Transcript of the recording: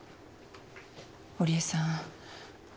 織江さん。